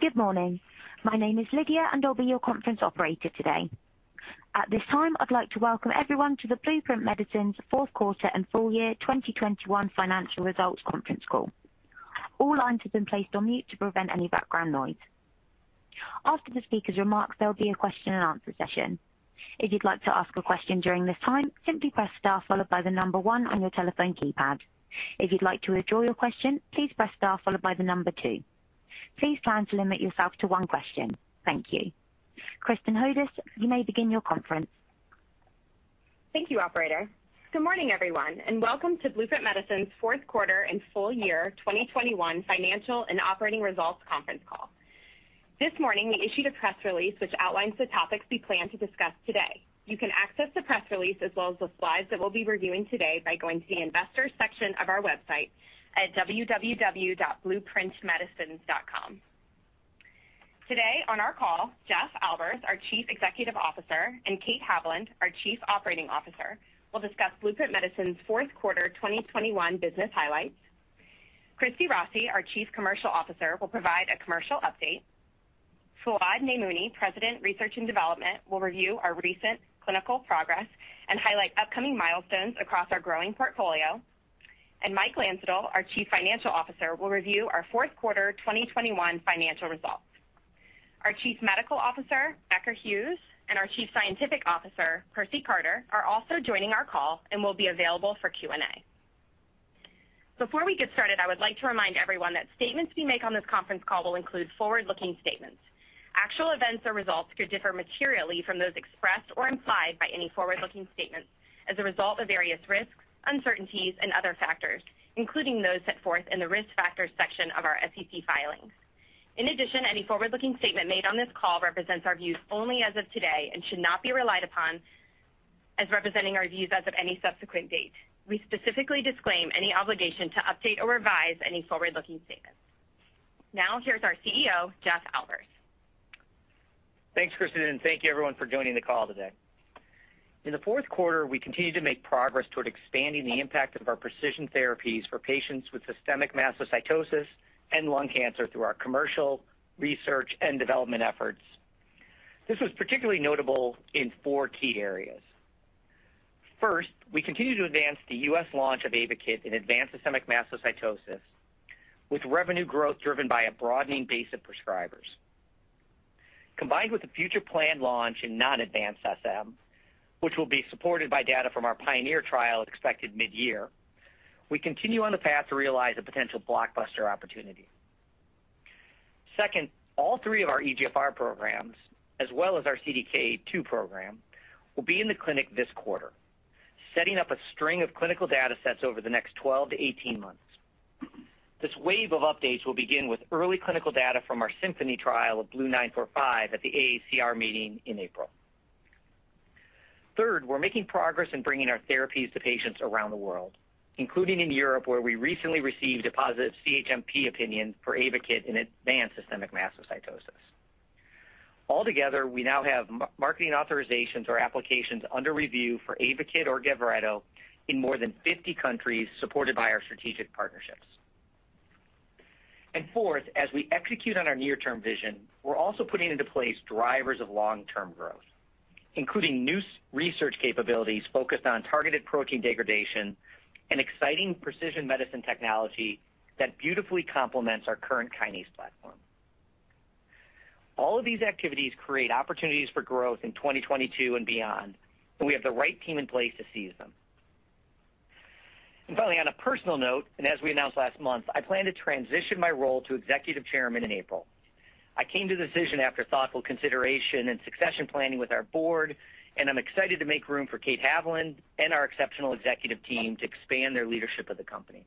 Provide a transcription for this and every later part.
Good morning. My name is Lydia, and I'll be your conference operator today. At this time, I'd like to welcome everyone to the Blueprint Medicines' fourth quarter and full year 2021 financial results conference call. All lines have been placed on mute to prevent any background noise. After the speaker's remarks, there'll be a question and answer session. If you'd like to ask a question during this time, simply press Star followed by the number one on your telephone keypad. If you'd like to withdraw your question, please press star followed by the number two. Please try and limit yourself to one question. Thank you. Kristin Hodous, you may begin your conference. Thank you, operator. Good morning, everyone, and welcome to Blueprint Medicines' fourth quarter and full year 2021 financial and operating results conference call. This morning, we issued a press release which outlines the topics we plan to discuss today. You can access the press release as well as the slides that we'll be reviewing today by going to the Investors section of our website at www.blueprintmedicines.com. Today, on our call, Jeff Albers, our Chief Executive Officer, and Kate Haviland, our Chief Operating Officer, will discuss Blueprint Medicines' fourth-quarter 2021 business highlights. Christy Rossi, our Chief Commercial Officer, will provide a commercial update. Fouad Namouni, President, Research and Development, will review our recent clinical progress and highlight upcoming milestones across our growing portfolio. Mike Landsiedel, our Chief Financial Officer, will review our fourth-quarter 2021 financial results. Our Chief Medical Officer, Becker Hewes, and our Chief Scientific Officer, Percy Carter, are also joining our call and will be available for Q&A. Before we get started, I would like to remind everyone that statements we make on this conference call will include forward-looking statements. Actual events or results could differ materially from those expressed or implied by any forward-looking statements as a result of various risks, uncertainties, and other factors, including those set forth in the Risk Factors section of our SEC filings. In addition, any forward-looking statement made on this call represents our views only as of today and should not be relied upon as representing our views as of any subsequent date. We specifically disclaim any obligation to update or revise any forward-looking statement. Now, here's our CEO, Jeff Albers. Thanks, Kristin, and thank you everyone for joining the call today. In the fourth quarter, we continued to make progress toward expanding the impact of our precision therapies for patients with systemic mastocytosis and lung cancer through our commercial research and development efforts. This was particularly notable in four key areas. First, we continue to advance the U.S. launch of AYVAKIT in advanced systemic mastocytosis, with revenue growth driven by a broadening base of prescribers. Combined with the future planned launch in non-advanced SM, which will be supported by data from our PIONEER trial expected mid-year, we continue on the path to realize a potential blockbuster opportunity. Second, all three of our EGFR programs, as well as our CDK2 program, will be in the clinic this quarter, setting up a string of clinical data sets over the next 12-18 months. This wave of updates will begin with early clinical data from our SYMPHONY trial of BLU-945 at the AACR meeting in April. Third, we're making progress in bringing our therapies to patients around the world, including in Europe, where we recently received a positive CHMP opinion for AYVAKIT in advanced systemic mastocytosis. Altogether, we now have marketing authorizations or applications under review for AYVAKIT or GAVRETO in more than 50 countries supported by our strategic partnerships. Fourth, as we execute on our near-term vision, we're also putting into place drivers of long-term growth, including new research capabilities focused on targeted protein degradation and exciting precision medicine technology that beautifully complements our current kinase platform. All of these activities create opportunities for growth in 2022 and beyond, and we have the right team in place to seize them. Finally, on a personal note, and as we announced last month, I plan to transition my role to Executive Chairman in April. I came to this decision after thoughtful consideration and succession planning with our board, and I'm excited to make room for Kate Haviland and our exceptional executive team to expand their leadership of the company.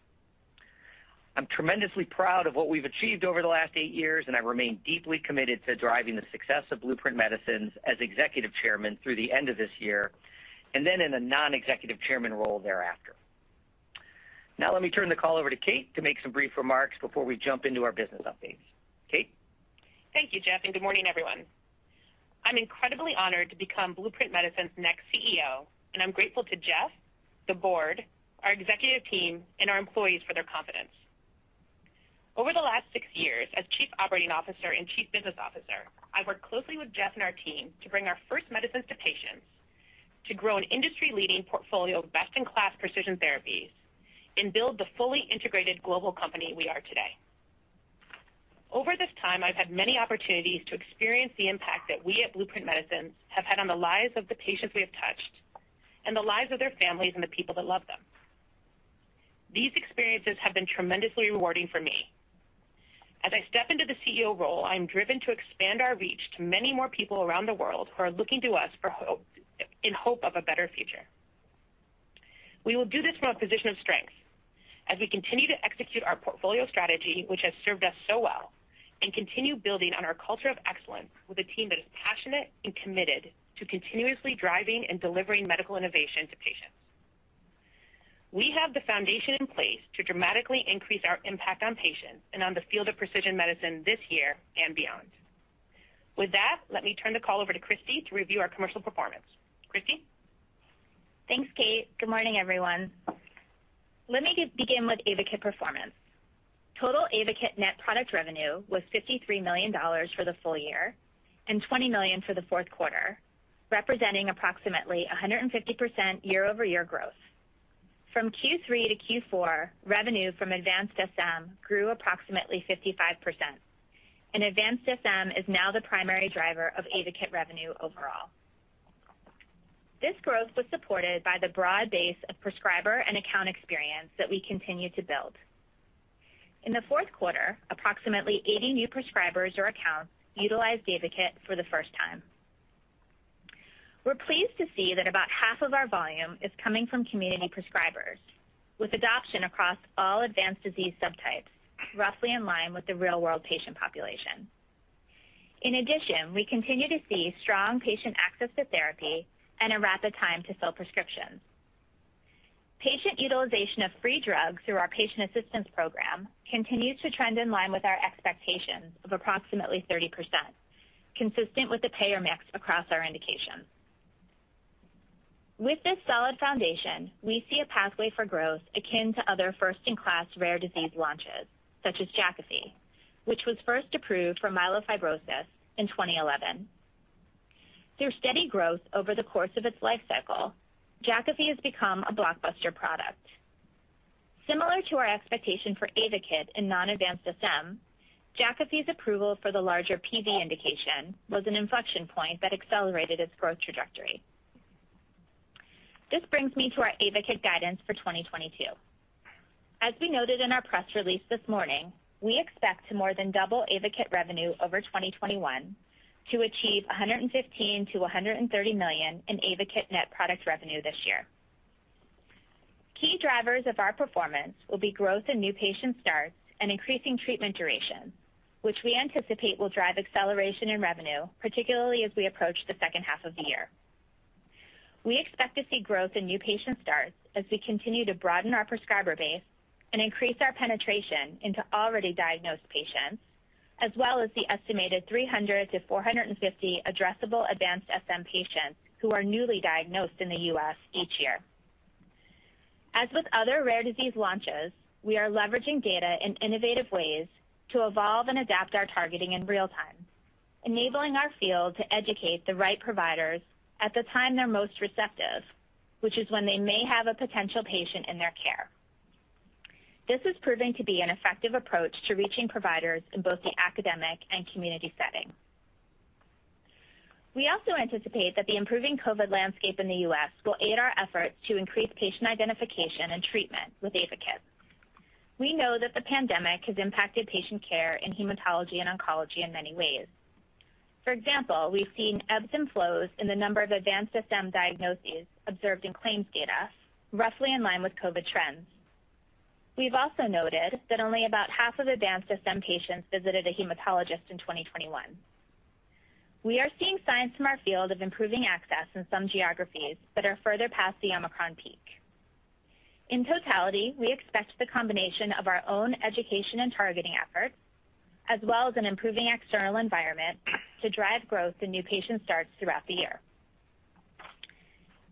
I'm tremendously proud of what we've achieved over the last eight years, and I remain deeply committed to driving the success of Blueprint Medicines as Executive Chairman through the end of this year and then in a non-Executive Chairman role thereafter. Now let me turn the call over to Kate to make some brief remarks before we jump into our business updates. Kate? Thank you, Jeff, and good morning, everyone. I'm incredibly honored to become Blueprint Medicines' next CEO, and I'm grateful to Jeff, the board, our executive team, and our employees for their confidence. Over the last six years as Chief Operating Officer and Chief Business Officer, I worked closely with Jeff and our team to bring our first medicines to patients, to grow an industry-leading portfolio of best-in-class precision therapies, and build the fully integrated global company we are today. Over this time, I've had many opportunities to experience the impact that we at Blueprint Medicines have had on the lives of the patients we have touched and the lives of their families and the people that love them. These experiences have been tremendously rewarding for me. As I step into the CEO role, I am driven to expand our reach to many more people around the world who are looking to us for hope, in hope of a better future. We will do this from a position of strength as we continue to execute our portfolio strategy, which has served us so well, and continue building on our culture of excellence with a team that is passionate and committed to continuously driving and delivering medical innovation to patients. We have the foundation in place to dramatically increase our impact on patients and on the field of precision medicine this year and beyond. With that, let me turn the call over to Christy to review our commercial performance. Christy? Thanks, Kate. Good morning, everyone. Let me begin with AYVAKIT performance. Total AYVAKIT net product revenue was $53 million for the full year and $20 million for the fourth quarter, representing approximately 150% year-over-year growth. From Q3 to Q4, revenue from advanced SM grew approximately 55%, and advanced SM is now the primary driver of AYVAKIT revenue overall. This growth was supported by the broad base of prescriber and account experience that we continue to build. In the fourth quarter, approximately 80 new prescribers or accounts utilized AYVAKIT for the first time. We're pleased to see that about half of our volume is coming from community prescribers with adoption across all advanced disease subtypes, roughly in line with the real-world patient population. In addition, we continue to see strong patient access to therapy and a rapid time to fill prescriptions. Patient utilization of free drugs through our patient assistance program continues to trend in line with our expectations of approximately 30%, consistent with the payer mix across our indications. With this solid foundation, we see a pathway for growth akin to other first-in-class rare disease launches, such as Jakafi, which was first approved for myelofibrosis in 2011. Through steady growth over the course of its life cycle, Jakafi has become a blockbuster product. Similar to our expectation for AYVAKIT in non-advanced SM, Jakafi's approval for the larger PV indication was an inflection point that accelerated its growth trajectory. This brings me to our AYVAKIT guidance for 2022. As we noted in our press release this morning, we expect to more than double AYVAKIT revenue over 2021 to achieve $115 million-$130 million in AYVAKIT net product revenue this year. Key drivers of our performance will be growth in new patient starts and increasing treatment duration, which we anticipate will drive acceleration in revenue, particularly as we approach the second half of the year. We expect to see growth in new patient starts as we continue to broaden our prescriber base and increase our penetration into already diagnosed patients, as well as the estimated 300-450 addressable advanced SM patients who are newly diagnosed in the U.S. each year. As with other rare disease launches, we are leveraging data in innovative ways to evolve and adapt our targeting in real time, enabling our field to educate the right providers at the time they're most receptive, which is when they may have a potential patient in their care. This is proving to be an effective approach to reaching providers in both the academic and community setting. We also anticipate that the improving COVID landscape in the U.S. will aid our efforts to increase patient identification and treatment with AYVAKIT. We know that the pandemic has impacted patient care in hematology and oncology in many ways. For example, we've seen ebbs and flows in the number of advanced SM diagnoses observed in claims data, roughly in line with COVID trends. We've also noted that only about half of advanced SM patients visited a hematologist in 2021. We are seeing signs from our field of improving access in some geographies that are further past the Omicron peak. In totality, we expect the combination of our own education and targeting efforts, as well as an improving external environment, to drive growth in new patient starts throughout the year.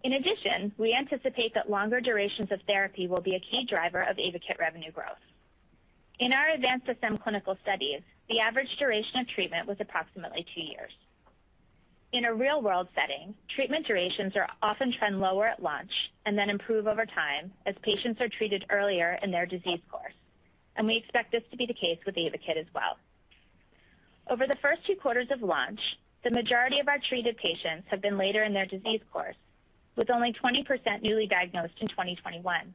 In addition, we anticipate that longer durations of therapy will be a key driver of AYVAKIT revenue growth. In our advanced SM clinical studies, the average duration of treatment was approximately two years. In a real-world setting, treatment durations are often trend lower at launch and then improve over time as patients are treated earlier in their disease course, and we expect this to be the case with AYVAKIT as well. Over the first two quarters of launch, the majority of our treated patients have been later in their disease course, with only 20% newly diagnosed in 2021.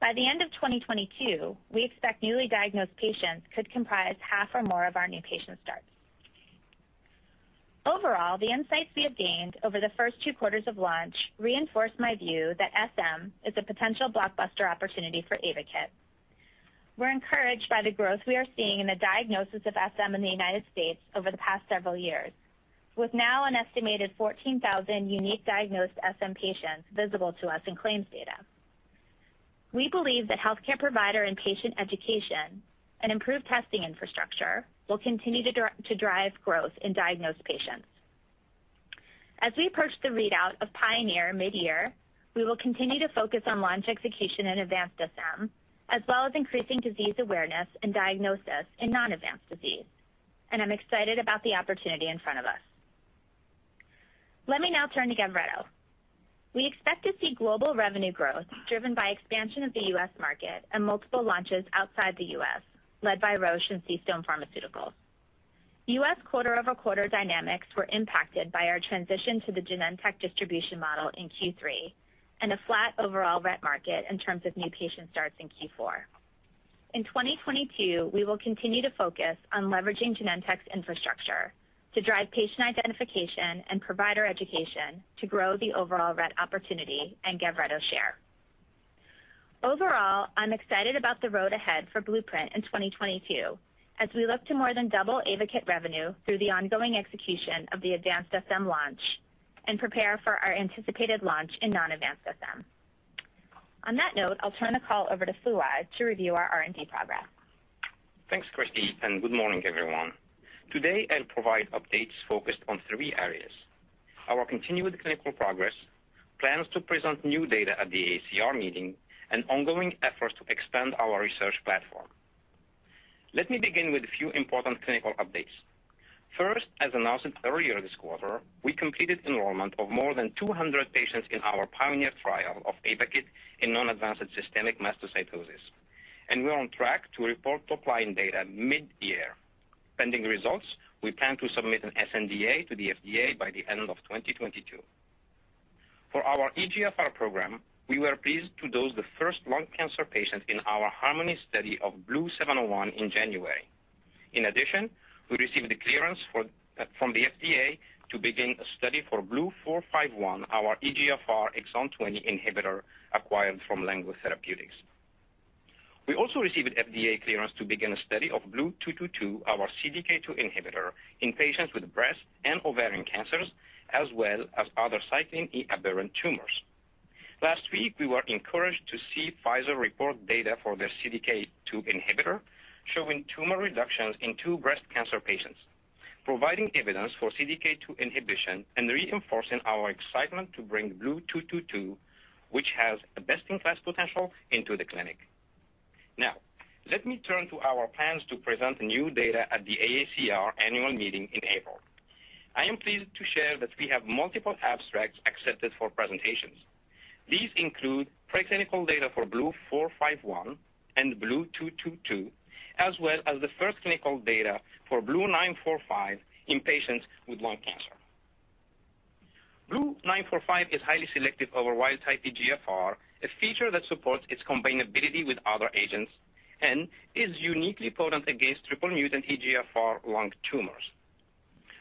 By the end of 2022, we expect newly diagnosed patients could comprise half or more of our new patient starts. Overall, the insights we have gained over the first two quarters of launch reinforce my view that SM is a potential blockbuster opportunity for AYVAKIT. We're encouraged by the growth we are seeing in the diagnosis of SM in the United States over the past several years, with now an estimated 14,000 unique diagnosed SM patients visible to us in claims data. We believe that healthcare provider and patient education and improved testing infrastructure will continue to drive growth in diagnosed patients. As we approach the readout of PIONEER mid-year, we will continue to focus on launch execution and advanced SM, as well as increasing disease awareness and diagnosis in non-advanced disease. I'm excited about the opportunity in front of us. Let me now turn to GAVRETO. We expect to see global revenue growth driven by expansion of the U.S. market and multiple launches outside the U.S., led by Roche and CStone Pharmaceuticals. U.S. quarter-over-quarter dynamics were impacted by our transition to the Genentech distribution model in Q3 and a flat overall RET market in terms of new patient starts in Q4. In 2022, we will continue to focus on leveraging Genentech's infrastructure to drive patient identification and provider education to grow the overall RET opportunity and GAVRETO share. Overall, I'm excited about the road ahead for Blueprint in 2022 as we look to more than double AYVAKIT revenue through the ongoing execution of the advanced SM launch and prepare for our anticipated launch in non-advanced SM. On that note, I'll turn the call over to Fouad to review our R&D progress. Thanks, Christy, and good morning, everyone. Today, I'll provide updates focused on three areas. Our continued clinical progress, plans to present new data at the AACR meeting, and ongoing efforts to expand our research platform. Let me begin with a few important clinical updates. First, as announced earlier this quarter, we completed enrollment of more than 200 patients in our PIONEER trial of AYVAKIT in non-advanced systemic mastocytosis, and we're on track to report top-line data mid-year. Pending results, we plan to submit an sNDA to the FDA by the end of 2022. For our EGFR program, we were pleased to dose the first lung cancer patient in our HARMONY study of BLU-701 in January. In addition, we received the clearance from the FDA to begin a study for BLU-451, our EGFR exon 20 inhibitor acquired from Lengo Therapeutics. We also received FDA clearance to begin a study of BLU-222, our CDK2 inhibitor in patients with breast and ovarian cancers, as well as other Cyclin E-aberrant tumors. Last week, we were encouraged to see Pfizer report data for their CDK2 inhibitor, showing tumor reductions in two breast cancer patients, providing evidence for CDK2 inhibition and reinforcing our excitement to bring BLU-222, which has a best-in-class potential into the clinic. Now, let me turn to our plans to present new data at the AACR annual meeting in April. I am pleased to share that we have multiple abstracts accepted for presentations. These include pre-clinical data for BLU-451 and BLU-222, as well as the first clinical data for BLU-945 in patients with lung cancer. BLU-945 is highly selective over wild-type EGFR, a feature that supports its combinability with other agents and is uniquely potent against triple-mutant EGFR lung tumors.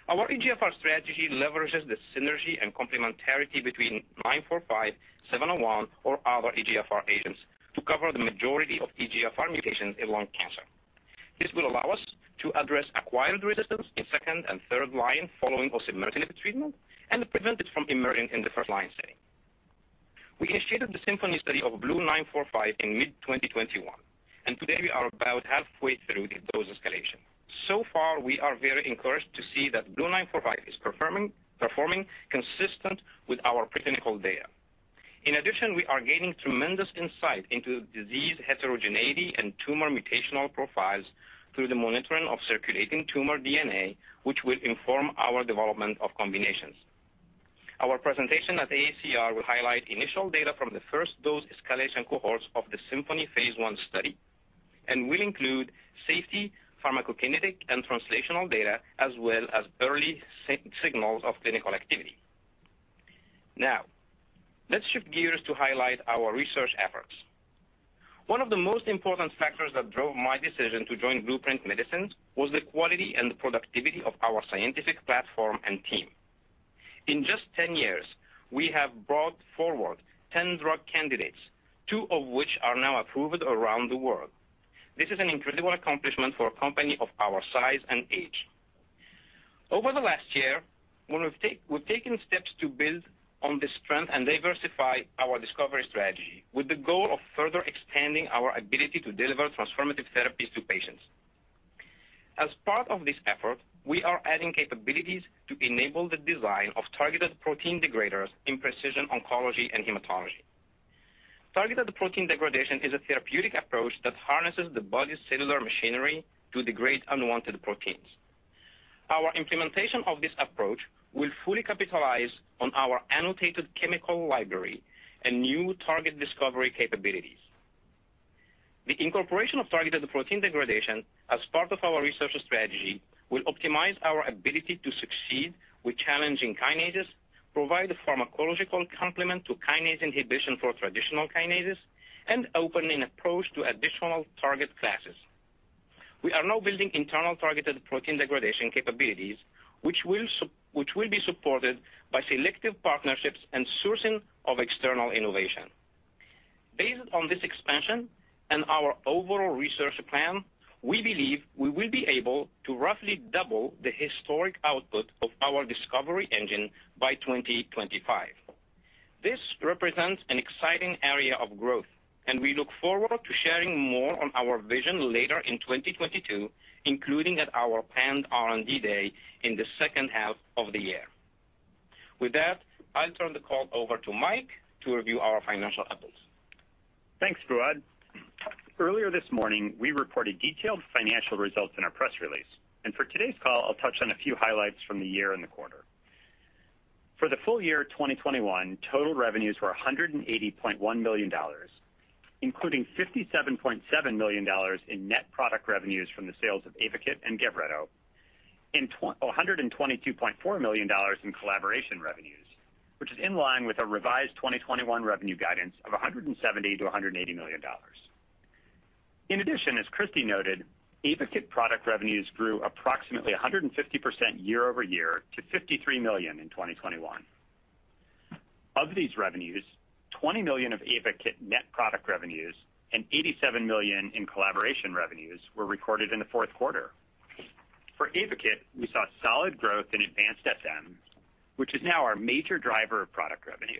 Our EGFR strategy leverages the synergy and complementarity between BLU-945, BLU-701 or other EGFR agents to cover the majority of EGFR mutations in lung cancer. This will allow us to address acquired resistance in second and third line following osimertinib treatment, and prevent it from emerging in the first-line setting. We initiated the SYMPHONY study of BLU-945 in mid-2021, and today we are about halfway through the dose escalation. So far, we are very encouraged to see that BLU-945 is performing consistent with our pre-clinical data. In addition, we are gaining tremendous insight into disease heterogeneity and tumor mutational profiles through the monitoring of circulating tumor DNA, which will inform our development of combinations. Our presentation at AACR will highlight initial data from the first dose escalation cohorts of the SYMPHONY phase I study and will include safety, pharmacokinetic and translational data, as well as early signals of clinical activity. Now, let's shift gears to highlight our research efforts. One of the most important factors that drove my decision to join Blueprint Medicines was the quality and productivity of our scientific platform and team. In just 10 years, we have brought forward 10 drug candidates, two of which are now approved around the world. This is an incredible accomplishment for a company of our size and age. Over the last year, we've taken steps to build on this trend and diversify our discovery strategy with the goal of further expanding our ability to deliver transformative therapies to patients. As part of this effort, we are adding capabilities to enable the design of targeted protein degraders in precision oncology and hematology. Targeted protein degradation is a therapeutic approach that harnesses the body's cellular machinery to degrade unwanted proteins. Our implementation of this approach will fully capitalize on our annotated chemical library and new target discovery capabilities. The incorporation of targeted protein degradation as part of our research strategy will optimize our ability to succeed with challenging kinases, provide a pharmacological complement to kinase inhibition for traditional kinases, and open an approach to additional target classes. We are now building internal targeted protein degradation capabilities, which will be supported by selective partnerships and sourcing of external innovation. Based on this expansion and our overall research plan, we believe we will be able to roughly double the historic output of our discovery engine by 2025. This represents an exciting area of growth, and we look forward to sharing more on our vision later in 2022, including at our planned R&D day in the second half of the year. With that, I'll turn the call over to Mike to review our financial updates. Thanks, Fouad. Earlier this morning, we reported detailed financial results in our press release, and for today's call, I'll touch on a few highlights from the year and the quarter. For the full year 2021, total revenues were $180.1 million, including $57.7 million in net product revenues from the sales of AYVAKIT and GAVRETO, and $122.4 million in collaboration revenues, which is in line with our revised 2021 revenue guidance of $170 million to $180 million. In addition, as Christy noted, AYVAKIT product revenues grew approximately 150% year-over-year to $53 million in 2021. Of these revenues, $20 million of AYVAKIT net product revenues and $87 million in collaboration revenues were recorded in the fourth quarter. For AYVAKIT, we saw solid growth in advanced SM, which is now our major driver of product revenue.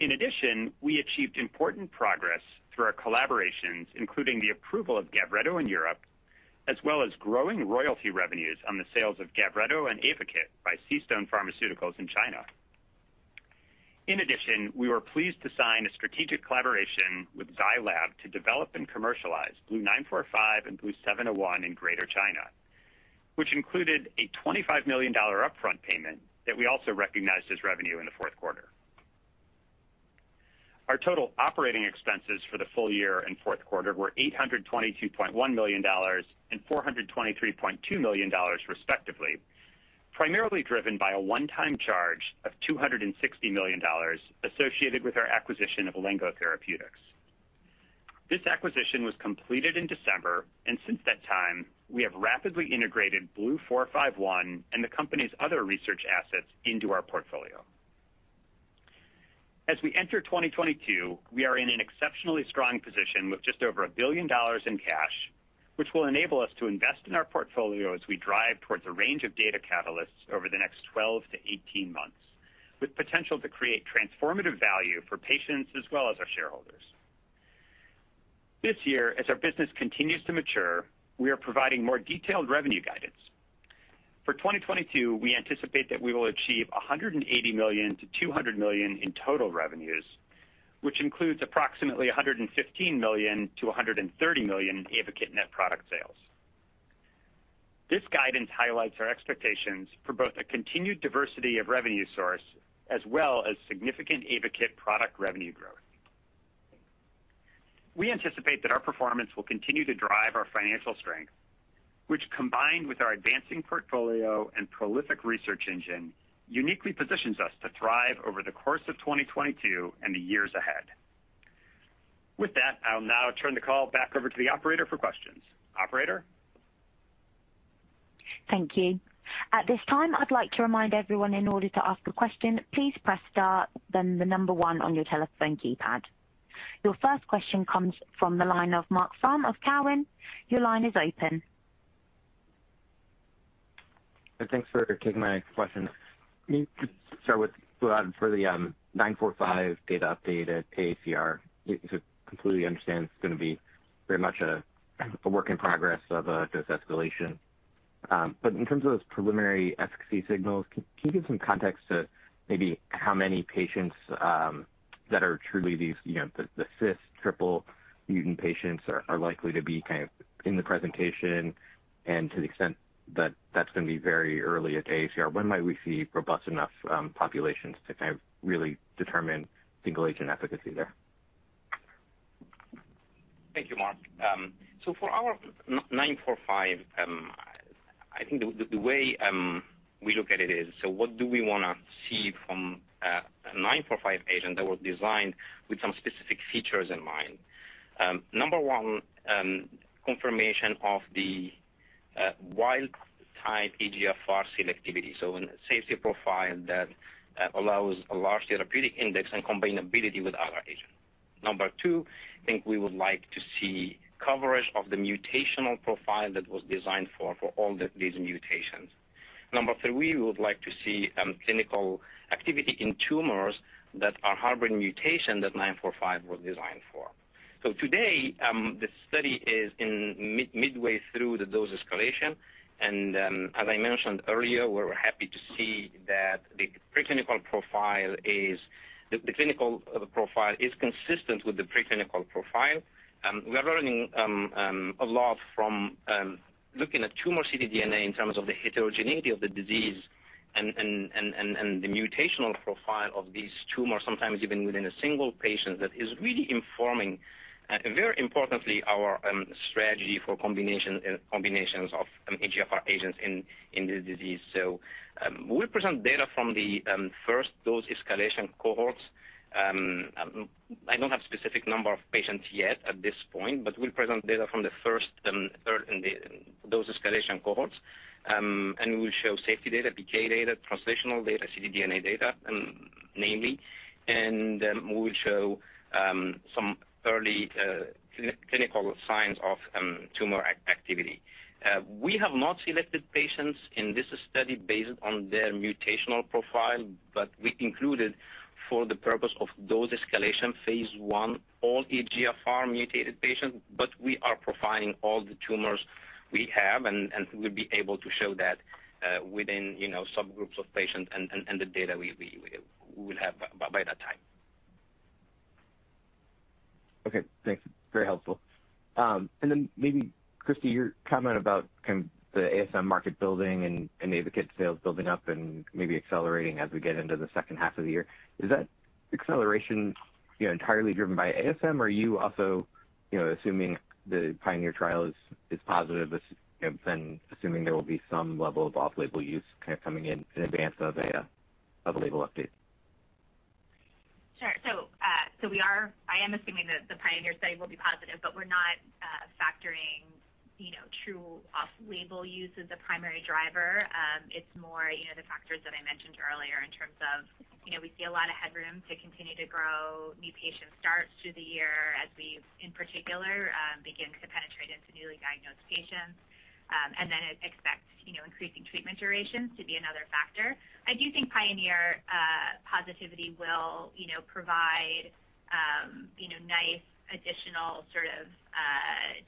In addition, we achieved important progress through our collaborations, including the approval of GAVRETO in Europe, as well as growing royalty revenues on the sales of GAVRETO and AYVAKIT by CStone Pharmaceuticals in China. In addition, we were pleased to sign a strategic collaboration with Zai Lab to develop and commercialize BLU-945 and BLU-701 in Greater China, which included a $25 million upfront payment that we also recognized as revenue in the fourth quarter. Our total operating expenses for the full year and fourth quarter were $822.1 million and $423.2 million respectively, primarily driven by a one-time charge of $260 million associated with our acquisition of Lengo Therapeutics. This acquisition was completed in December, and since that time, we have rapidly integrated BLU-451 and the company's other research assets into our portfolio. As we enter 2022, we are in an exceptionally strong position with just over $1 billion in cash, which will enable us to invest in our portfolio as we drive towards a range of data catalysts over the next 12-18 months, with potential to create transformative value for patients as well as our shareholders. This year, as our business continues to mature, we are providing more detailed revenue guidance. For 2022, we anticipate that we will achieve $180 million-$200 million in total revenues, which includes approximately $115 million-$130 million in AYVAKIT net product sales. This guidance highlights our expectations for both a continued diversity of revenue source as well as significant AYVAKIT product revenue growth. We anticipate that our performance will continue to drive our financial strength, which, combined with our advancing portfolio and prolific research engine, uniquely positions us to thrive over the course of 2022 and the years ahead. With that, I'll now turn the call back over to the operator for questions. Operator? Thank you. At this time, I'd like to remind everyone in order to ask a question, please press star then the number one on your telephone keypad. Your first question comes from the line of Marc Frahm of Cowen. Your line is open. Thanks for taking my question. Maybe to start with Fouad for the BLU-945 data update at AACR. I completely understand it's going to be very much a work in progress of a dose escalation. But in terms of those preliminary efficacy signals, can you give some context to maybe how many patients that are truly these, you know, the [C797S] triple mutant patients are likely to be kind of in the presentation and to the extent that's going to be very early at AACR. When might we see robust enough populations to kind of really determine single-agent efficacy there? Thank you, Marc. For our BLU-945, I think the way we look at it is, what do we wanna see from a BLU-945 agent that was designed with some specific features in mind? Number one, confirmation of the wild-type EGFR selectivity. A safety profile that allows a large therapeutic index and combinability with other agents. Number two, I think we would like to see coverage of the mutational profile that was designed for all these mutations. Number three, we would like to see clinical activity in tumors that are harboring mutation that BLU-945 was designed for. Today, the study is midway through the dose escalation, and as I mentioned earlier, we're happy to see that the preclinical profile is. The clinical profile is consistent with the preclinical profile. We are learning a lot from looking at tumor ctDNA in terms of the heterogeneity of the disease and the mutational profile of these tumors, sometimes even within a single patient, that is really informing very importantly our strategy for combinations of EGFR agents in this disease. We present data from the first dose escalation cohorts. I don't have specific number of patients yet at this point, but we'll present data from the first and third dose escalation cohorts. We'll show safety data, PK data, translational data, ctDNA data, namely. We'll show some early clinical signs of tumor activity. We have not selected patients in this study based on their mutational profile, but we included, for the purpose of dose escalation phase I, all EGFR mutated patients, but we are profiling all the tumors we have and we'll be able to show that within, you know, subgroups of patients and the data we'll have by that time. Okay, thanks. Very helpful. And then maybe Christy, your comment about kind of the ASM market building and AYVAKIT sales building up and maybe accelerating as we get into the second half of the year. Is that acceleration, you know, entirely driven by ASM? Are you also, you know, assuming the PIONEER trial is positive, as you know, then assuming there will be some level of off-label use kind of coming in in advance of a label update? Sure. I am assuming that the PIONEER study will be positive, but we're not factoring, you know, true off-label use as a primary driver. It's more, you know, the factors that I mentioned earlier in terms of, you know, we see a lot of headroom to continue to grow new patient starts through the year as we've, in particular, begin to kind of trade into newly diagnosed patients, and then expect, you know, increasing treatment durations to be another factor. I do think PIONEER positivity will, you know, provide, you know, nice additional sort of,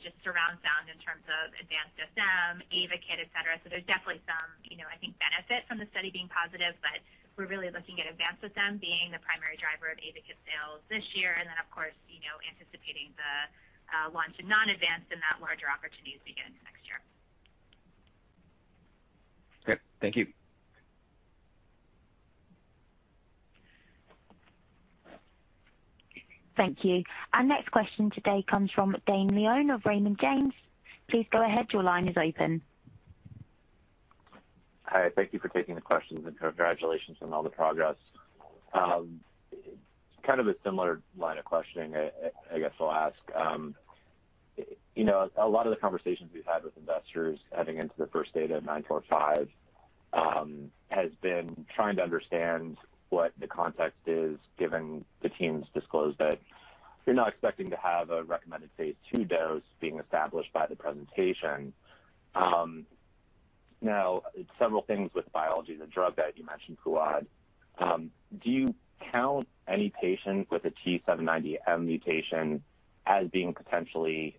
just surround sound in terms of advanced SM, AYVAKIT, et cetera. There's definitely some, you know, I think benefit from the study being positive, but we're really looking at advanced SM being the primary driver of AYVAKIT sales this year. Of course, you know, anticipating the launch of non-advanced and that larger opportunity to begin next year. Great. Thank you. Thank you. Our next question today comes from Dane Leone of Raymond James. Please go ahead. Your line is open. Hi. Thank you for taking the questions, and congratulations on all the progress. Kind of a similar line of questioning, I guess I'll ask. You know, a lot of the conversations we've had with investors heading into the first data of BLU-945 has been trying to understand what the context is given the teams disclosed that you're not expecting to have a recommended phase II dose being established by the presentation. Now, several things with biology, the drug that you mentioned, Fouad. Do you count any patients with a T790M mutation as being potentially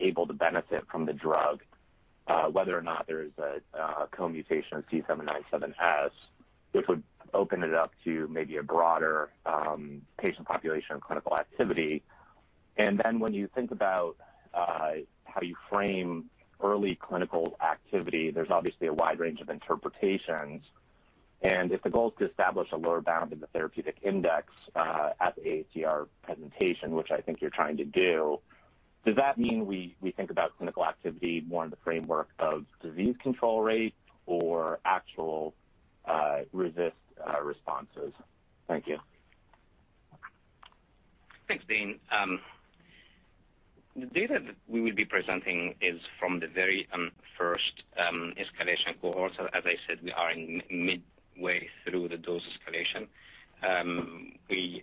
able to benefit from the drug, whether or not there is a co-mutation of C797S, which would open it up to maybe a broader patient population and clinical activity? When you think about how you frame early clinical activity, there's obviously a wide range of interpretations. If the goal is to establish a lower bound in the therapeutic index at the AACR presentation, which I think you're trying to do, does that mean we think about clinical activity more in the framework of disease control rates or actual resistance responses? Thank you. Thanks, Dane. The data that we will be presenting is from the very first escalation cohorts. As I said, we are midway through the dose escalation. We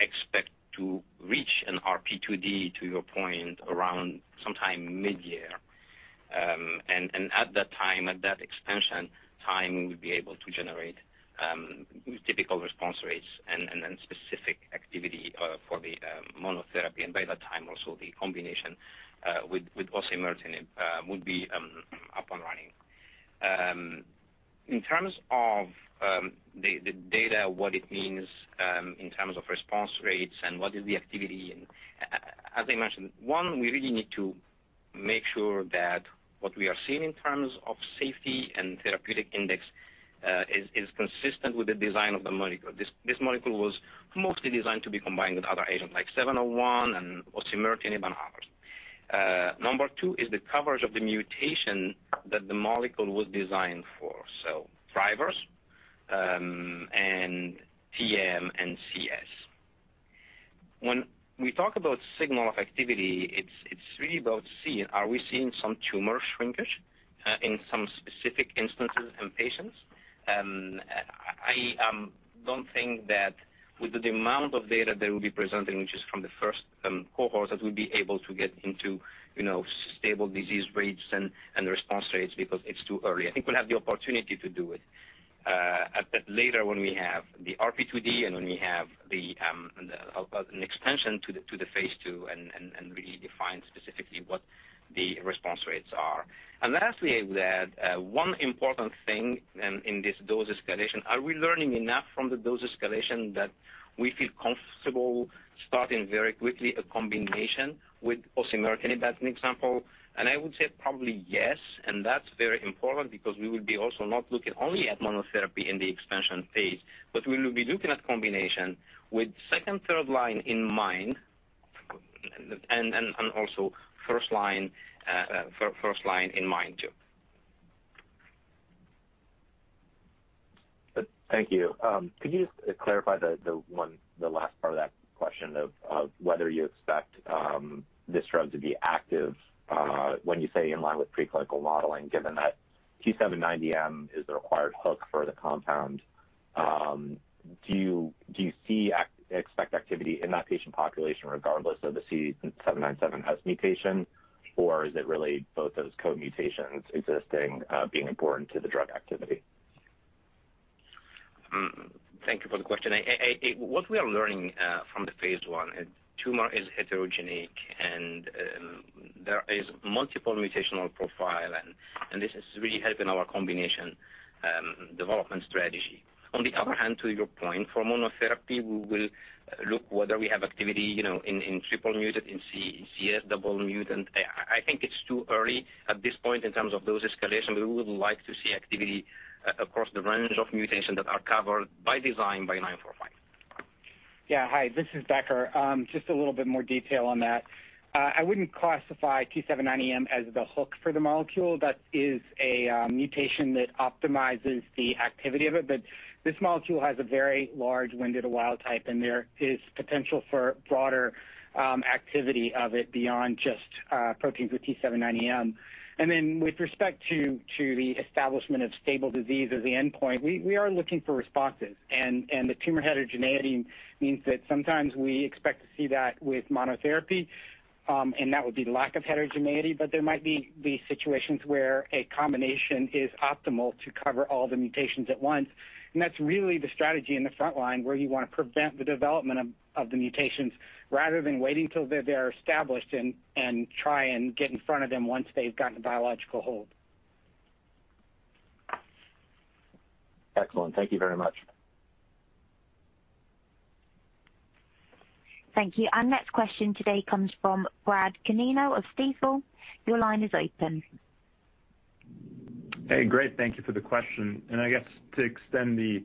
expect to reach an RP2D, to your point, around sometime mid-year. At that time, at that expansion time, we'll be able to generate typical response rates and then specific activity for the monotherapy. By that time also the combination with osimertinib would be up and running. In terms of the data, what it means in terms of response rates and what is the activity. As I mentioned, one, we really need to make sure that what we are seeing in terms of safety and therapeutic index is consistent with the design of the molecule. This molecule was mostly designed to be combined with other agents like BLU-701 and osimertinib and others. Number two is the coverage of the mutation that the molecule was designed for, so drivers, and T790M and C797S. When we talk about signal of activity, it's really about seeing, are we seeing some tumor shrinkage, in some specific instances in patients? I don't think that with the amount of data that we'll be presenting, which is from the first cohort, that we'll be able to get into, you know, stable disease rates and response rates because it's too early. I think we'll have the opportunity to do it later when we have the RP2D and when we have an extension to the phase II and really define specifically what the response rates are. Lastly, I would add one important thing in this dose escalation. Are we learning enough from the dose escalation that we feel comfortable starting very quickly a combination with osimertinib? That's an example, and I would say probably yes, and that's very important because we will be also not looking only at monotherapy in the expansion phase, but we will be looking at combination with second, third line in mind, and also first line in mind too. Thank you. Could you just clarify the last part of that question of whether you expect this drug to be active when you say in line with preclinical modeling, given that T790M is the required hook for the compound. Do you expect activity in that patient population regardless of the C797S mutation, or is it really both those co-mutations existing being important to the drug activity? Thank you for the question. What we are learning from the phase I, tumor is heterogeneous and there is multiple mutational profile and this is really helping our combination development strategy. On the other hand, to your point, for monotherapy, we will look whether we have activity, you know, in triple mutant, in C797S double mutant. I think it's too early at this point in terms of dose escalation. We would like to see activity across the range of mutations that are covered by. Yeah. Hi, this is Becker. Just a little bit more detail on that. I wouldn't classify T790M as the hook for the molecule. That is a mutation that optimizes the activity of it, but this molecule has a very large window to wild-type, and there is potential for broader activity of it beyond just proteins with T790M. With respect to the establishment of stable disease as the endpoint, we are looking for responses. The tumor heterogeneity means that sometimes we expect to see that with monotherapy. That would be lack of heterogeneity, but there might be situations where a combination is optimal to cover all the mutations at once. That's really the strategy in the front line where you want to prevent the development of the mutations rather than waiting till they are established and try and get in front of them once they've gotten a biological hold. Excellent. Thank you very much. Thank you. Our next question today comes from Brad Canino of Stifel. Your line is open. Hey, great. Thank you for the question. I guess to extend the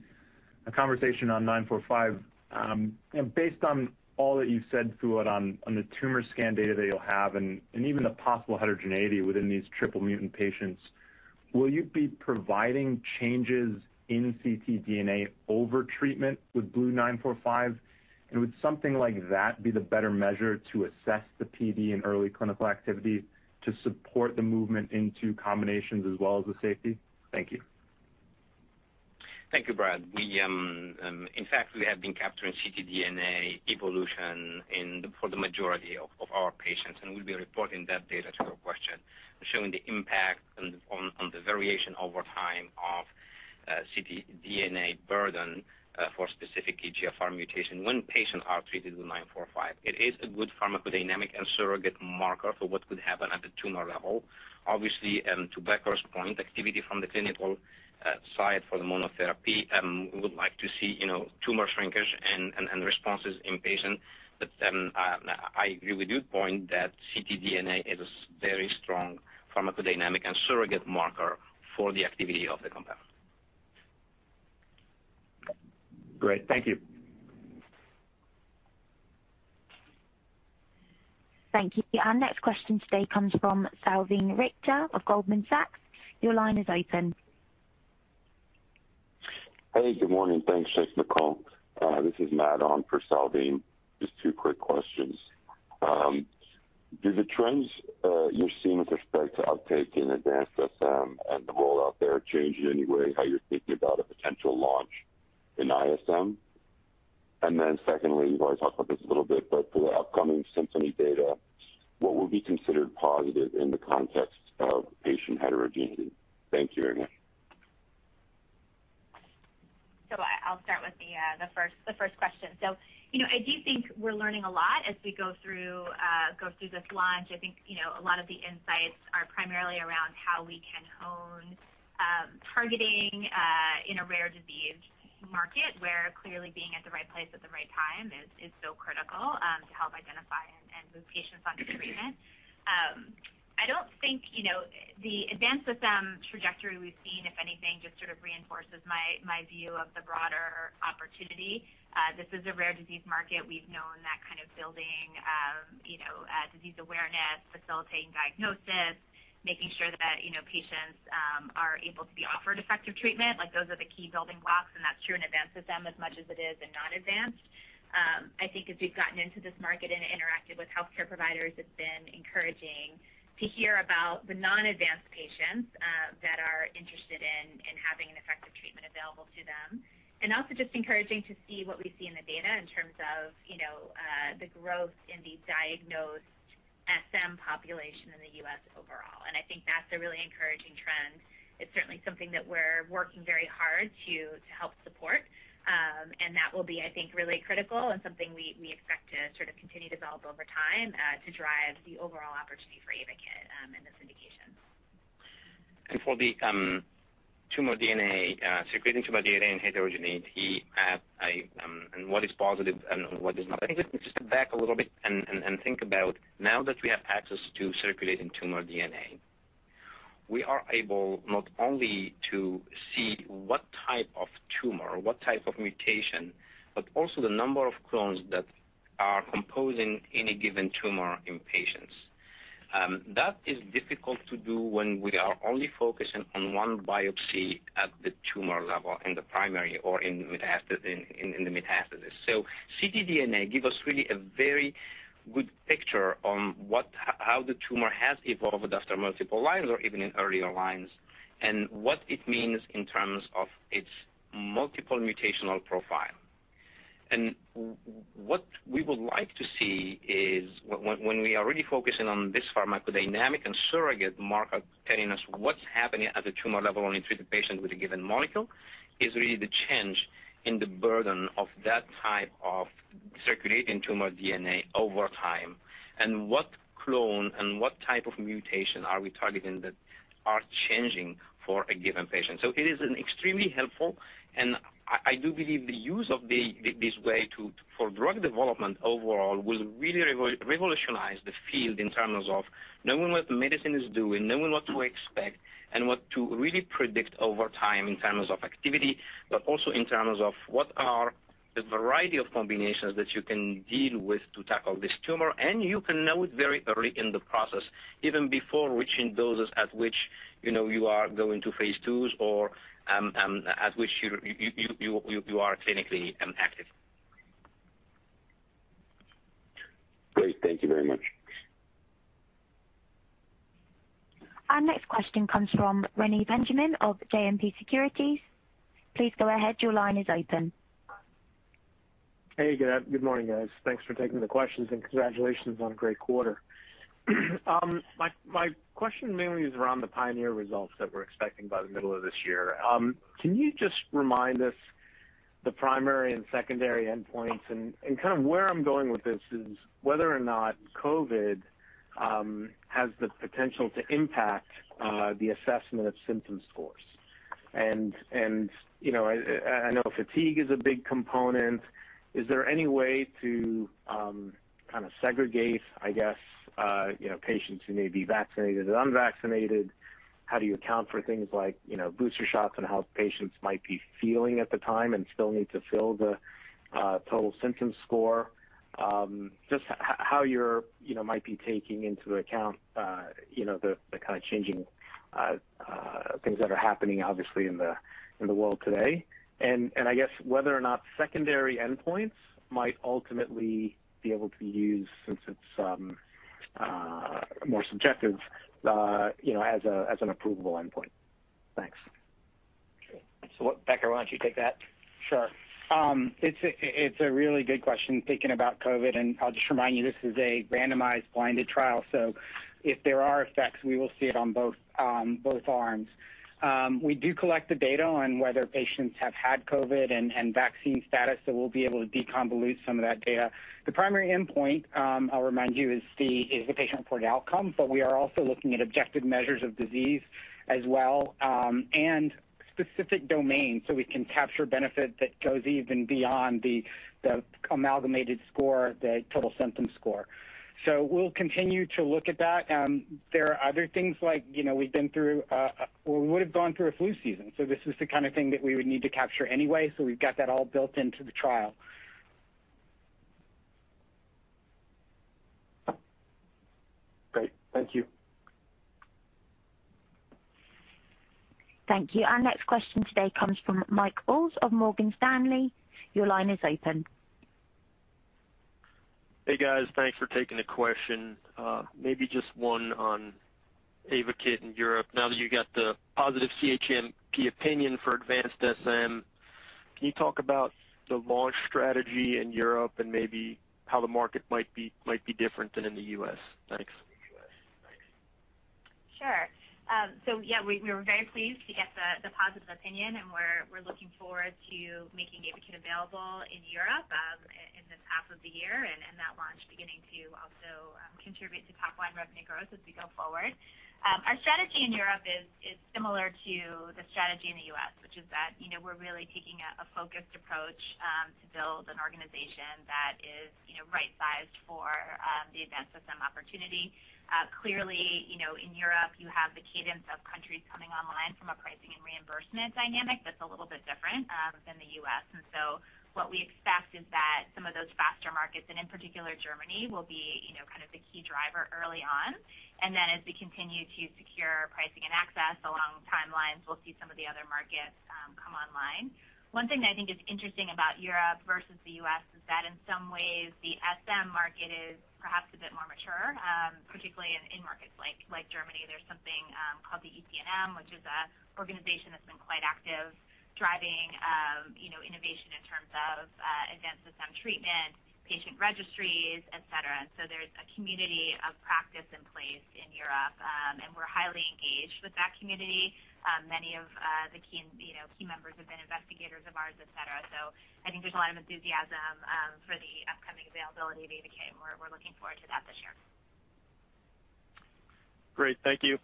conversation on BLU-945, you know, based on all that you've said through it on the tumor scan data that you'll have and even the possible heterogeneity within these triple mutant patients, will you be providing changes in ctDNA over treatment with BLU-945? Would something like that be the better measure to assess the PD in early clinical activity to support the movement into combinations as well as the safety? Thank you. Thank you, Brad. In fact, we have been capturing ctDNA evolution for the majority of our patients, and we'll be reporting that data in response to your question, showing the impact on the variation over time of ctDNA burden for specific EGFR mutation when patients are treated with BLU-945. It is a good pharmacodynamic and surrogate marker for what could happen at the tumor level. Obviously, to Becker's point, activity from the clinical side for the monotherapy, we would like to see, you know, tumor shrinkage and responses in patients. But I agree with your point that ctDNA is a very strong pharmacodynamic and surrogate marker for the activity of the compound. Great. Thank you. Thank you. Our next question today comes from Salveen Richter of Goldman Sachs. Your line is open. Hey, good morning. Thanks for the call. This is Matt on for Salveen. Just two quick questions. Do the trends you're seeing with respect to uptake in advanced SM and the rollout there change in any way how you're thinking about a potential launch in ISM? Secondly, you've already talked about this a little bit, but for the upcoming SYMPHONY data, what will be considered positive in the context of patient heterogeneity? Thank you very much. I'll start with the first question. You know, I do think we're learning a lot as we go through this launch. I think, you know, a lot of the insights are primarily around how we can hone targeting in a rare disease market where clearly being at the right place at the right time is so critical to help identify and move patients on to treatment. I don't think, you know, the advanced SM trajectory we've seen, if anything, just sort of reinforces my view of the broader opportunity. This is a rare disease market. We've known that kind of building, you know, disease awareness, facilitating diagnosis, making sure that, you know, patients are able to be offered effective treatment. Like, those are the key building blocks, and that's true in advanced SM as much as it is in non-advanced. I think as we've gotten into this market and interacted with healthcare providers, it's been encouraging to hear about the non-advanced patients that are interested in having an effective treatment available to them. Also just encouraging to see what we see in the data in terms of, you know, the growth in the diagnosed SM population in the U.S. overall. I think that's a really encouraging trend. It's certainly something that we're working very hard to help support. That will be, I think, really critical and something we expect to sort of continue to develop over time to drive the overall opportunity for AYVAKIT and this indication. For the tumor DNA, circulating tumor DNA and heterogeneity, I and what is positive and what is not. I think let me just step back a little bit and think about now that we have access to circulating tumor DNA, we are able not only to see what type of tumor, what type of mutation, but also the number of clones that are composing any given tumor in patients. That is difficult to do when we are only focusing on one biopsy at the tumor level in the primary or in the metastasis. ctDNA give us really a very good picture on how the tumor has evolved after multiple lines or even in earlier lines, and what it means in terms of its multiple mutational profile. What we would like to see is when we are really focusing on this pharmacodynamic and surrogate marker telling us what's happening at the tumor level when we treat the patient with a given molecule, is really the change in the burden of that type of circulating tumor DNA over time, and what clone and what type of mutation are we targeting that are changing for a given patient. It is an extremely helpful, and I do believe the use of this way for drug development overall will really revolutionize the field in terms of knowing what the medicine is doing, knowing what to expect and what to really predict over time in terms of activity, but also in terms of what are the variety of combinations that you can deal with to tackle this tumor. You can know it very early in the process, even before reaching doses at which, you know, you are going to phase II or at which you are clinically active. Great. Thank you very much. Our next question comes from Reni Benjamin of JMP Securities. Please go ahead. Your line is open. Hey, good morning, guys. Thanks for taking the questions, and congratulations on a great quarter. My question mainly is around the PIONEER results that we're expecting by the middle of this year. Can you just remind us the primary and secondary endpoints? Kind of where I'm going with this is whether or not COVID has the potential to impact the assessment of symptom scores. You know, I know fatigue is a big component. Is there any way to kinda segregate, I guess, you know, patients who may be vaccinated or unvaccinated? How do you account for things like, you know, booster shots and how patients might be feeling at the time and still need to fill the total symptom score? Just how you're, you know, might be taking into account, you know, the kind of changing things that are happening obviously in the world today. I guess whether or not secondary endpoints might ultimately be able to be used since it's more subjective, you know, as an approvable endpoint. Thanks. Sure. Becker why don't you take that? Sure. It's a really good question thinking about COVID, and I'll just remind you, this is a randomized blinded trial. If there are effects, we will see it on both arms. We do collect the data on whether patients have had COVID and vaccine status, so we'll be able to deconvolute some of that data. The primary endpoint, I'll remind you is the patient-reported outcome, but we are also looking at objective measures of disease as well, and specific domains, so we can capture benefit that goes even beyond the amalgamated score, the total symptom score. We'll continue to look at that. There are other things like, you know, we've been through or would've gone through a flu season, so this is the kind of thing that we would need to capture anyway, so we've got that all built into the trial. Great. Thank you. Thank you. Our next question today comes from Mike Bowers of Morgan Stanley. Your line is open. Hey, guys. Thanks for taking the question. Maybe just one on AYVAKIT in Europe. Now that you got the positive CHMP opinion for advanced SM, can you talk about the launch strategy in Europe and maybe how the market might be different than in the U.S.? Thanks. Sure. Yeah, we were very pleased to get the positive opinion, and we're looking forward to making AYVAKIT available in Europe in this half of the year and that launch beginning to also contribute to top line revenue growth as we go forward. Our strategy in Europe is similar to the strategy in the U.S., which is that, you know, we're really taking a focused approach to build an organization that is, you know, right sized for the advanced SM opportunity. Clearly, you know, in Europe, you have the cadence of countries coming online from a pricing and reimbursement dynamic that's a little bit different than the U.S. What we expect is that some of those faster markets, and in particular Germany, will be, you know, kind of the key driver early on. As we continue to secure pricing and access along timelines, we'll see some of the other markets come online. One thing that I think is interesting about Europe versus the U.S. is that in some ways, the SM market is perhaps a bit more mature, particularly in markets like Germany. There's something called the ECNM, which is an organization that's been quite active driving you know innovation in terms of advanced SM treatment, patient registries, et cetera. So there's a community of practice in place in Europe, and we're highly engaged with that community. Many of the key you know key members have been investigators of ours, et cetera. So I think there's a lot of enthusiasm for the upcoming availability of AYVAKIT, and we're looking forward to that this year. Great. Thank you.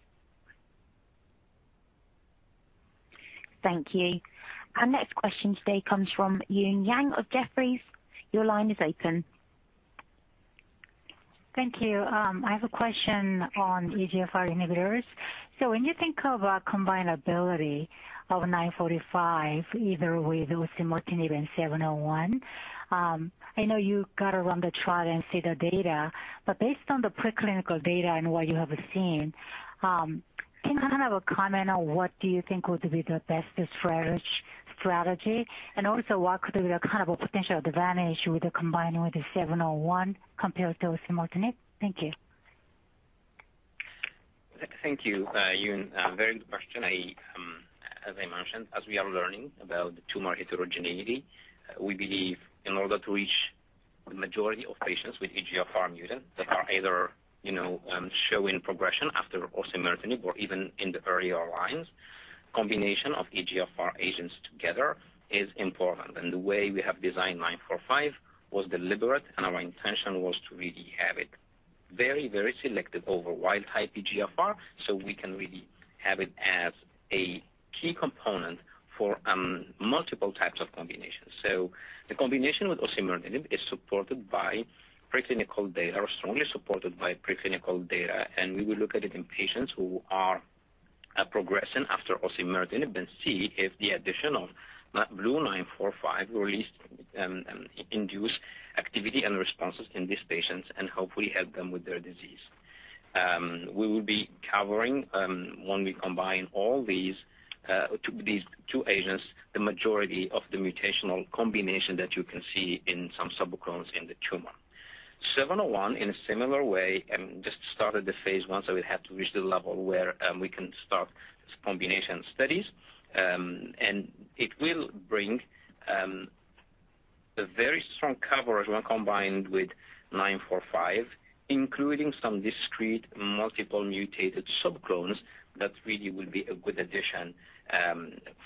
Thank you. Our next question today comes from Eun Yang of Jefferies. Your line is open. Thank you. I have a question on EGFR inhibitors. When you think of a combinability of BLU-945, either with osimertinib and BLU-701, I know you gotta run the trial and see the data, but based on the preclinical data and what you have seen, can you kind of comment on what do you think would be the best strategy? And also, what could be a kind of a potential advantage with the combining with the BLU-701 compared to osimertinib? Thank you. Thank you, Eun. A very good question. I, as I mentioned, as we are learning about the tumor heterogeneity, we believe in order to reach the majority of patients with EGFR mutant that are either, you know, showing progression after osimertinib or even in the earlier lines, combination of EGFR agents together is important. The way we have designed BLU-945 was deliberate, and our intention was to really have it very, very selective over wild-type EGFR, so we can really have it as a key component for multiple types of combinations. The combination with osimertinib is supported by preclinical data, or strongly supported by preclinical data, and we will look at it in patients who are progressing after osimertinib and see if the addition of BLU-945 will at least induce activity and responses in these patients and hopefully help them with their disease. We will be covering when we combine these two agents, the majority of the mutational combination that you can see in some subclones in the tumor. BLU-701 in a similar way just started the phase I, so we have to reach the level where we can start combination studies. It will bring the very strong coverage when combined with BLU-945, including some discrete multiple mutated sub-clones, that really will be a good addition for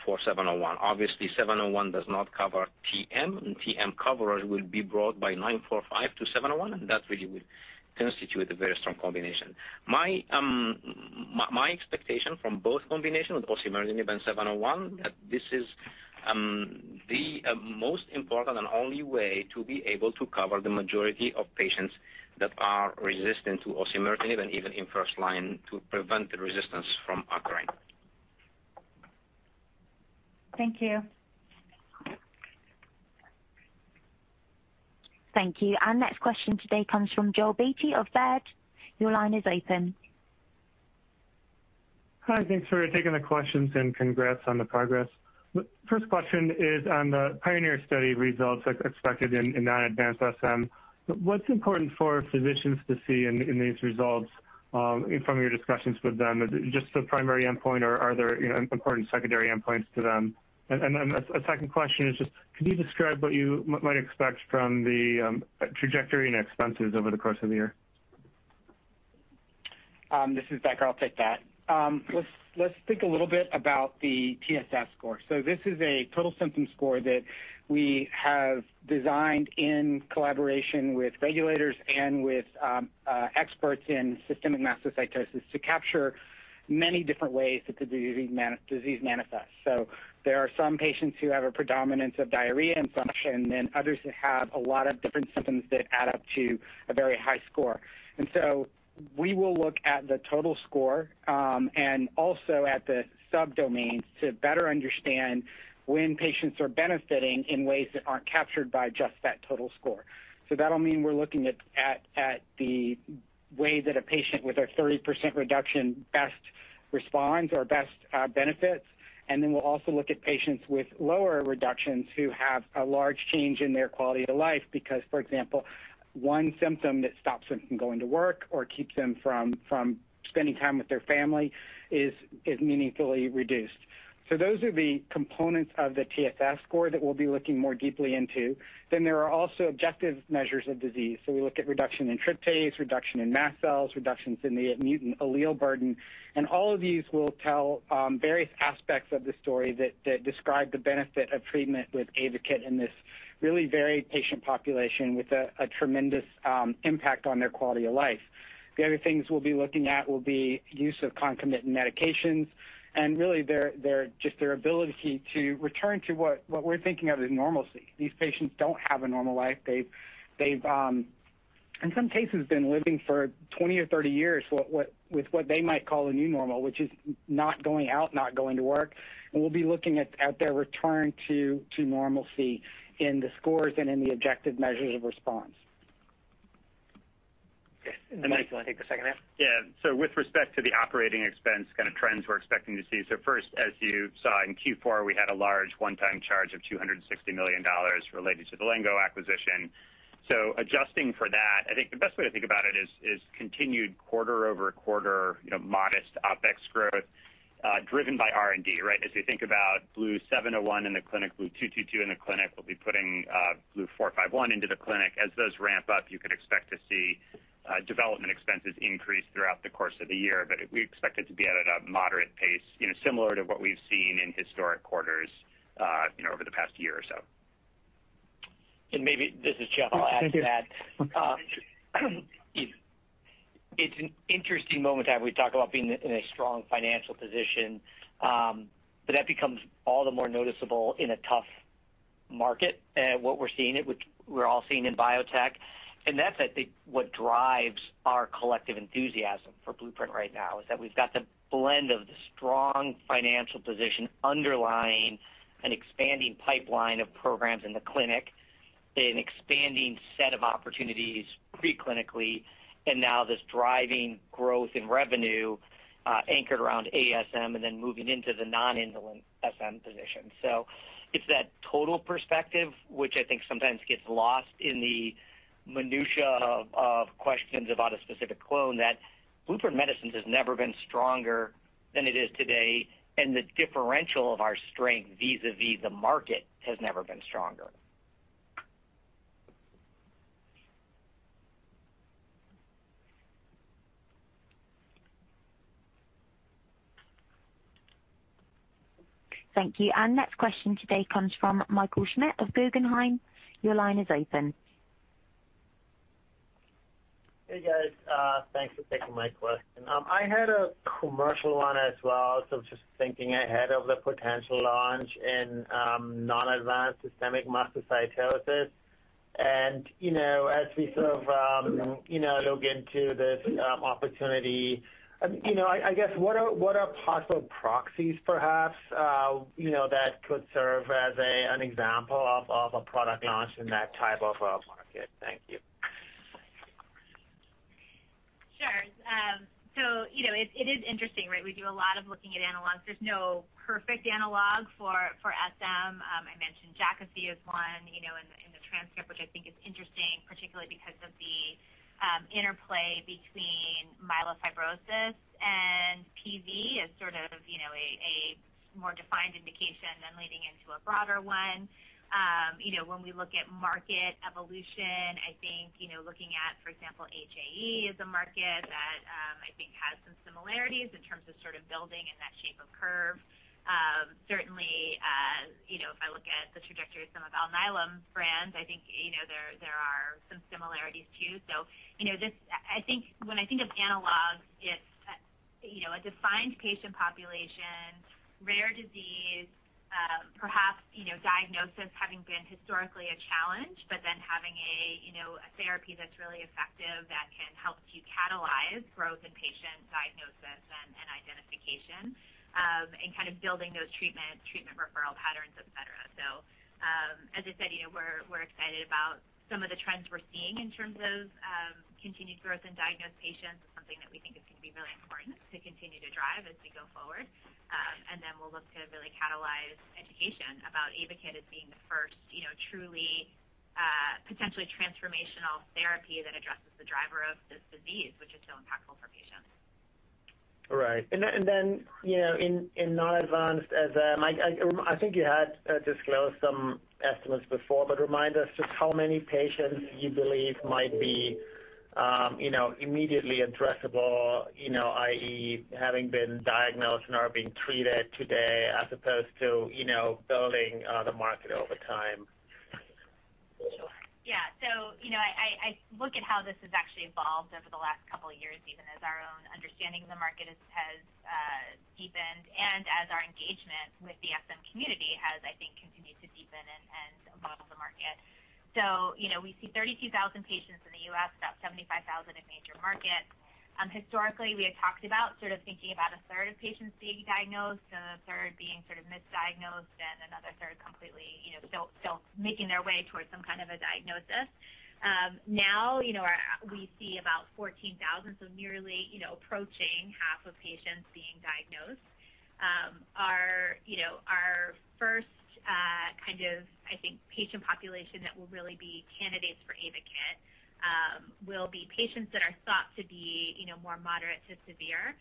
BLU-701. Obviously, BLU-701 does not cover T790M, and T790M coverage will be brought by BLU-945 to BLU-701, and that really would constitute a very strong combination. My expectation from both combination with osimertinib and BLU-701, that this is the most important and only way to be able to cover the majority of patients that are resistant to osimertinib and even in first line to prevent the resistance from occurring. Thank you. Thank you. Our next question today comes from Joel Beatty of Baird. Your line is open. Hi. Thanks for taking the questions and congrats on the progress. The first question is on the PIONEER study results expected in non-advanced SM. What's important for physicians to see in these results from your discussions with them, just the primary endpoint or are there, you know, important secondary endpoints to them? Then a second question is just could you describe what you might expect from the trajectory and expenses over the course of the year? This is Becker [I'll take that]. Let's think a little bit about the TSS score. This is a total symptom score that we have designed in collaboration with regulators and with experts in systemic mastocytosis to capture many different ways that the disease manifests. There are some patients who have a predominance of diarrhea and flushing, then others that have a lot of different symptoms that add up to a very high score. We will look at the total score and also at the sub-domains to better understand when patients are benefiting in ways that aren't captured by just that total score. That'll mean we're looking at the way that a patient with a 30% reduction best responds or best benefits. We'll also look at patients with lower reductions who have a large change in their quality of life, because, for example, one symptom that stops them from going to work or keeps them from spending time with their family is meaningfully reduced. Those are the components of the TSS score that we'll be looking more deeply into. There are also objective measures of disease. We look at reduction in tryptase, reduction in mast cells, reductions in the mutant allele burden. All of these will tell various aspects of the story that describe the benefit of treatment with AYVAKIT in this really varied patient population with a tremendous impact on their quality of life. The other things we'll be looking at will be use of concomitant medications and really their ability to return to what we're thinking of as normalcy. These patients don't have a normal life. They've in some cases been living for 20 or 30 years with what they might call a new normal, which is not going out, not going to work. We'll be looking at their return to normalcy in the scores and in the objective measures of response. Yes. Mike, do you want to take the second half? Yeah. With respect to the operating expense kind of trends we're expecting to see. First, as you saw in Q4, we had a large one-time charge of $260 million related to the Lengo acquisition. Adjusting for that, I think the best way to think about it is continued quarter-over-quarter, you know, modest OpEx growth, driven by R&D, right? As we think about BLU-701 in the clinic, BLU-222 in the clinic, we'll be putting BLU-451 into the clinic. As those ramp up, you can expect to see development expenses increase throughout the course of the year. We expect it to be at a moderate pace, you know, similar to what we've seen in historic quarters, you know, over the past year or so. Maybe, this is Jeff, I'll add to that. Thank you. It's an interesting moment to have. We talk about being in a strong financial position, but that becomes all the more noticeable in a tough market, which we're all seeing in biotech. That's I think what drives our collective enthusiasm for Blueprint right now is that we've got the blend of the strong financial position underlying an expanding pipeline of programs in the clinic, an expanding set of opportunities pre-clinically, and now this driving growth in revenue, anchored around ASM and then moving into the non-indolent SM position. It's that total perspective which I think sometimes gets lost in the minutia of questions about a specific clone that Blueprint Medicines has never been stronger than it is today, and the differential of our strength vis-à-vis the market has never been stronger. Thank you. Our next question today comes from Michael Schmidt of Guggenheim. Your line is open. Hey, guys. Thanks for taking my question. I had a commercial one as well. Just thinking ahead of the potential launch in non-advanced systemic mastocytosis. You know, as we sort of, you know, look into this opportunity, you know, I guess what are possible proxies perhaps, you know, that could serve as an example of a product launch in that type of a market? Thank you. Sure. So, you know, it is interesting, right? We do a lot of looking at analogs. There's no perfect analog for SM. I mentioned Jakafi as one, you know, in the transcript, which I think is interesting, particularly because of the interplay between myelofibrosis and PV as sort of more defined indication than leading into a broader one. You know, when we look at market evolution, I think, you know, looking at, for example, HAE is a market that I think has some similarities in terms of sort of building in that shape of curve. Certainly, you know, if I look at the trajectory of some of Alnylam brands, I think, you know, there are some similarities too. You know, when I think of analogs, it's you know, a defined patient population, rare disease, perhaps, you know, diagnosis having been historically a challenge, but then having a therapy that's really effective that can help to catalyze growth in patient diagnosis and identification, and kind of building those treatment referral patterns, et cetera. As I said, you know, we're excited about some of the trends we're seeing in terms of continued growth in diagnosed patients is something that we think is gonna be really important to continue to drive as we go forward. We'll look to really catalyze education about AYVAKIT as being the first, you know, truly potentially transformational therapy that addresses the driver of this disease, which is so impactful for patients. Right. Then, you know, in non-advanced SM, I think you had disclosed some estimates before, but remind us just how many patients you believe might be, you know, immediately addressable, you know, i.e., having been diagnosed and are being treated today as opposed to, you know, building the market over time? Yeah. You know, I look at how this has actually evolved over the last couple of years, even as our own understanding of the market has deepened and as our engagement with the SM community has, I think, continued to deepen and model the market. You know, we see 32,000 patients in the U.S., about 75,000 in major markets. Historically, we had talked about sort of thinking about a third of patients being diagnosed, and a third being sort of misdiagnosed, and another third completely, you know, still making their way towards some kind of a diagnosis. Now, you know, we see about 14,000, so nearly, you know, approaching half of patients being diagnosed. Our, you know, our first kind of, I think, patient population that will really be candidates for AYVAKIT will be patients that are thought to be, you know, more moderate to severe.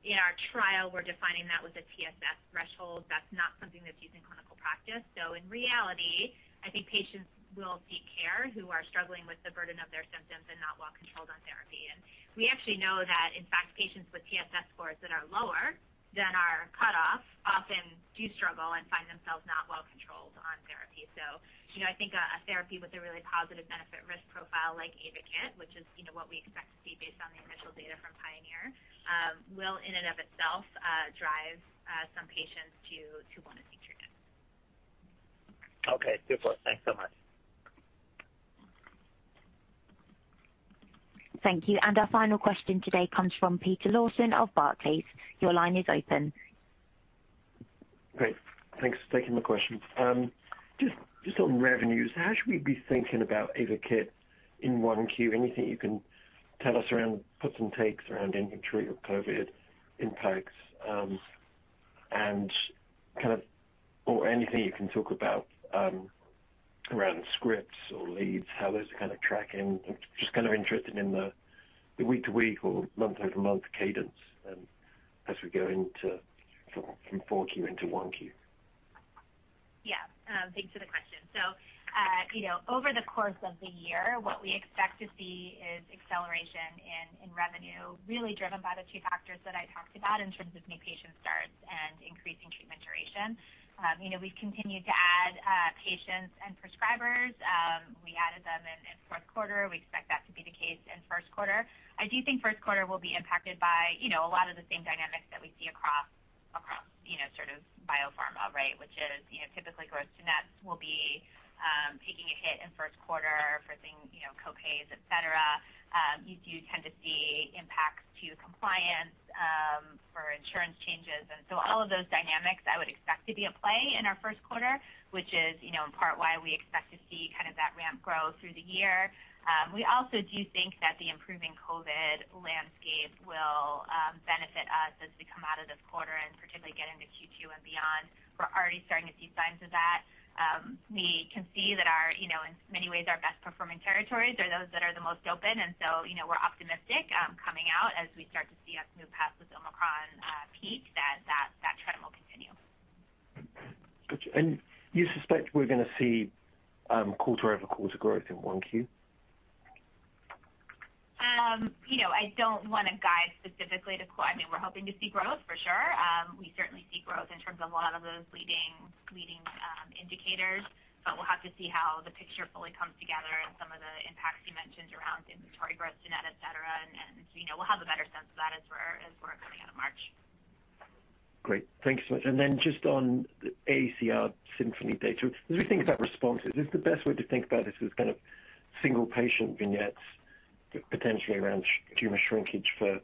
In our trial, we're defining that with a TSS threshold. That's not something that's used in clinical practice. So in reality, I think patients will seek care who are struggling with the burden of their symptoms and not well controlled on therapy. We actually know that in fact, patients with TSS scores that are lower than our cutoff often do struggle and find themselves not well controlled on therapy. You know, I think a therapy with a really positive benefit risk profile like AYVAKIT, which is, you know, what we expect to see based on the initial data from PIONEER, will in and of itself drive some patients to wanna seek treatment. Okay. Super. Thanks so much. Thank you. Our final question today comes from Peter Lawson of Barclays. Your line is open. Great. Thanks for taking the question. Just on revenues, how should we be thinking about AYVAKIT in 1Q? Anything you can tell us around puts and takes around inventory or COVID impacts? Kind of or anything you can talk about around scripts or leads, how those are kind of tracking. I'm just kind of interested in the week-to-week or month-over-month cadence, as we go into from 4Q into 1Q. Yeah. Thanks for the question. You know, over the course of the year, what we expect to see is acceleration in revenue really driven by the two factors that I talked about in terms of new patient starts and increasing treatment duration. You know, we've continued to add patients and prescribers. We added them in fourth quarter. We expect that to be the case in first quarter. I do think first quarter will be impacted by you know, a lot of the same dynamics that we see across you know, sort of biopharma, right? Which is, you know, typically gross nets will be taking a hit in first quarter for things, you know, co-pays, et cetera. You do tend to see impacts to compliance for insurance changes. All of those dynamics I would expect to be at play in our first quarter, which is, you know, in part why we expect to see kind of that ramp growth through the year. We also do think that the improving COVID landscape will benefit us as we come out of this quarter and particularly get into Q2 and beyond. We're already starting to see signs of that. We can see that our, you know, in many ways our best performing territories are those that are the most open. You know, we're optimistic coming out as we start to see us move past this Omicron peak that trend will continue. Got you. You suspect we're gonna see quarter-over-quarter growth in 1Q? You know, I don't wanna guide specifically. I mean, we're hoping to see growth for sure. We certainly see growth in terms of a lot of those leading indicators, but we'll have to see how the picture fully comes together and some of the impacts you mentioned around inventory gross net, et cetera. You know, we'll have a better sense of that as we're coming out of March. Great. Thank you so much. Then just on the AACR SYMPHONY data, as we think about responses, is the best way to think about this is kind of single patient vignettes potentially around tumor shrinkage for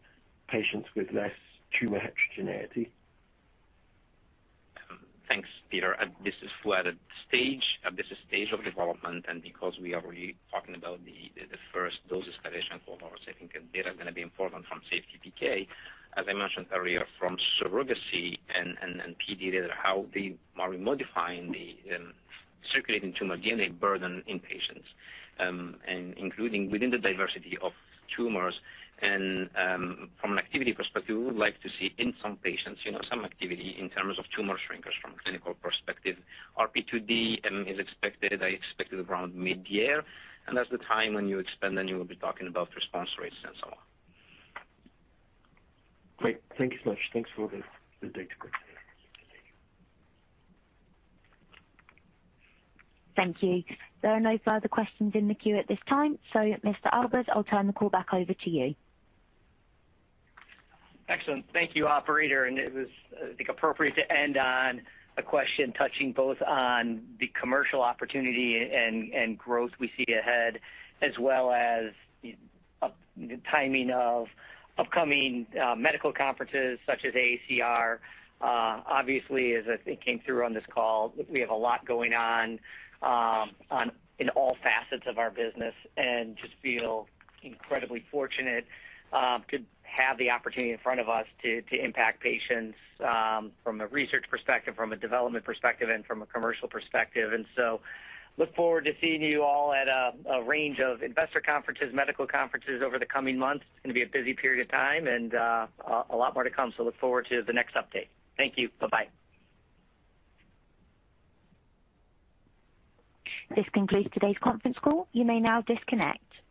patients with less tumor heterogeneity? Thanks, Peter. At this stage of development, and because we are really talking about the first dose escalation cohorts, I think the data is gonna be important from safety PK. As I mentioned earlier, from surrogacy and PD data, how we are modifying the circulating tumor DNA burden in patients, and including within the diversity of tumors. From an activity perspective, we would like to see in some patients, you know, some activity in terms of tumor shrinkage from a clinical perspective. RP2D is expected. I expect it around mid-year, and that's the time when you expand, and you will be talking about response rates and so on. Great. Thank you so much. Thanks for the data. Thank you. There are no further questions in the queue at this time. Mr. Albers, I'll turn the call back over to you. Excellent. Thank you, operator. It was, I think, appropriate to end on a question touching both on the commercial opportunity and growth we see ahead, as well as the timing of upcoming medical conferences such as AACR. Obviously, as I think came through on this call, we have a lot going on in all facets of our business and just feel incredibly fortunate to have the opportunity in front of us to impact patients from a research perspective, from a development perspective, and from a commercial perspective. Look forward to seeing you all at a range of investor conferences, medical conferences over the coming months. It's gonna be a busy period of time and a lot more to come, so look forward to the next update. Thank you. Bye-bye. This concludes today's conference call. You may now disconnect.